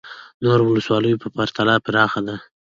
د نورو ولسوالیو په پرتله پراخه ده